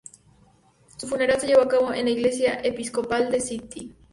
Su funeral se llevó a cabo en la iglesia episcopal de St.